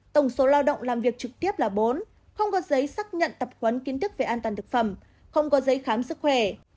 tổng số lao động làm việc trực tiếp là bốn không có giấy xác nhận tập huấn kiến thức về an toàn thực phẩm không có giấy khám sức khỏe